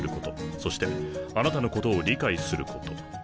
そしてあなたのことを理解すること。